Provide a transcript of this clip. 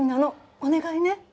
お願いね。